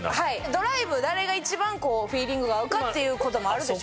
ドライブ誰が一番フィーリングが合うかっていう事もあるでしょ？